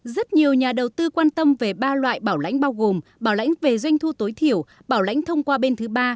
rất nhiều nhà đầu tư quan tâm về ba loại bảo lãnh bao gồm bảo lãnh về doanh thu tối thiểu bảo lãnh thông qua bên thứ ba